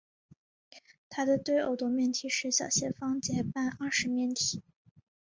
它的对偶多面体是小斜方截半二十面体。